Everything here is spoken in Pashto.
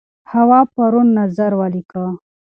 هوا پرون نظر ولیکه.